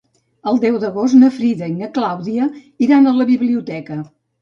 El deu d'agost na Frida i na Clàudia iran a la biblioteca.